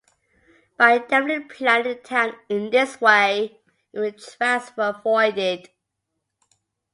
By deftly planning the town in this way, even drafts were avoided.